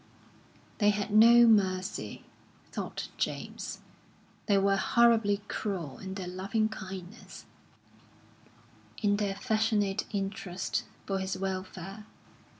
They had no mercy, thought James. They were horribly cruel in their loving kindness, in their affectionate interest for his welfare.